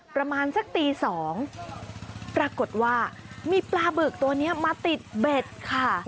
ประมาณสักตี๒ปรากฏว่ามีปลาบึกตัวนี้มาติดเบ็ดค่ะ